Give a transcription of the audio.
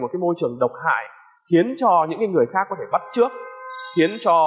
khác có thể bắt trước khiến cho